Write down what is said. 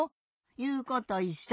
いうこといっしょ。